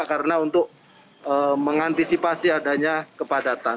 karena untuk mengantisipasi adanya kepadatan